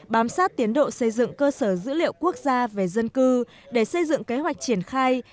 bám sát tiến độ xây dựng cơ sở dữ liệu quốc gia về dân cư để xây dựng kế hoạch triển khai